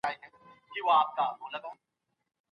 باک مي نسته بیا که زه هم غرغړه سم